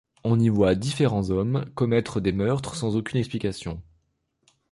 On y voit différents hommes commettre des meurtres, sans aucune explication.